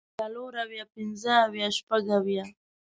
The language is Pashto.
څلور اويه پنځۀ اويه شپږ اويه